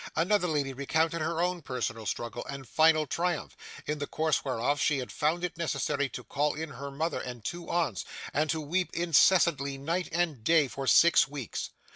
Another lady recounted her own personal struggle and final triumph, in the course whereof she had found it necessary to call in her mother and two aunts, and to weep incessantly night and day for six weeks.